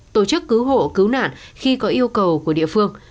tổ chức cứu hộ cứu nạn khi có yêu cầu của địa phương